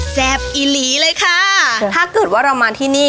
บอกอีหลีเลยค่ะถ้าเกิดว่าเรามาที่นี่